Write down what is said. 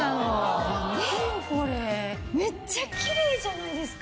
めっちゃキレイじゃないですか。